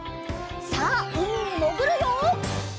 さあうみにもぐるよ！